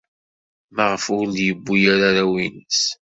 Maɣef ur d-yewwi ara arraw-nnes?